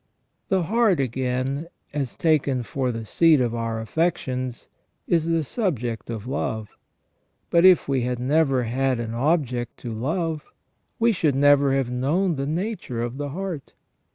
The heart, again, as taken for the seat of our affections, is the subject of love ; but if we had never had an object to love, we should never have known the nature of the heart.